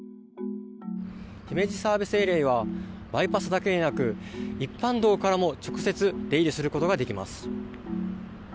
姫路ＳＡにはバイパスだけでなく一般道からも直接出入りすることができます。